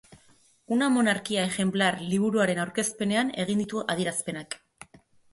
Una monarquia ejemplar liburuaren aurkezpenean egin ditu adierazpenak.